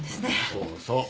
そうそう。